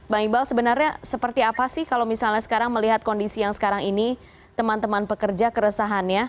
bang ibal sebenarnya seperti apa kalau saat posisi sekarang melihat kondisinya sekarang ini teman teman pekerja keresahannya